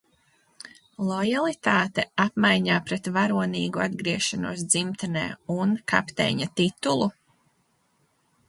Lojalitāte apmaiņā pret varonīgu atgriešanos dzimtenē un kapteiņa titulu?